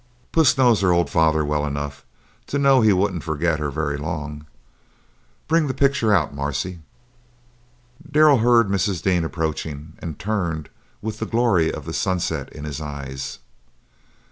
"Puss knows her old father well enough to know he wouldn't forget her very long. Bring the picture out, Marcia." Darrell heard Mrs. Dean approaching, and turned, with the glory of the sunset in his eyes.